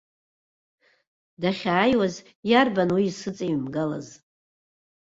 Дахьааиуаз иарбан уи исыҵеимгалаз!